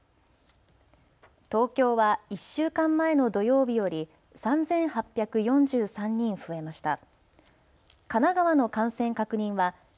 東京は１週間前の土曜日より３８４３人増えました。